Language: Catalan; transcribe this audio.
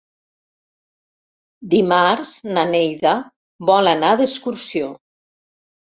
Dimarts na Neida vol anar d'excursió.